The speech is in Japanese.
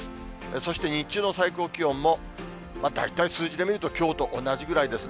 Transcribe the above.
そして日中の最高気温も、大体数字で見るときょうと同じぐらいですね。